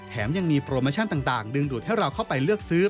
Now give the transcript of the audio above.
ยังมีโปรโมชั่นต่างดึงดูดให้เราเข้าไปเลือกซื้อ